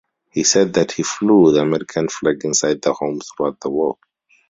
He said that he flew the American flag inside the home throughout the war.